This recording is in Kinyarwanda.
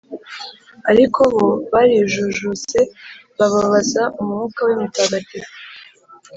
ariko bo barijujuse, bababaza umwuka we mutagatifu,